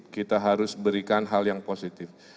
kita harus berikan hal yang positif